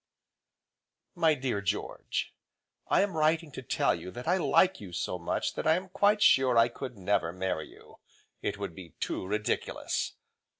MY DEAR GEORGE I am writing to tell you that I like you so much that I am quite sure I could never marry you, it would be too ridiculous.